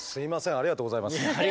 ありがとうございます。